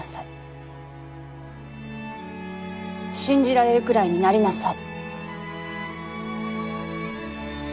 信じられるくらいになりなさい。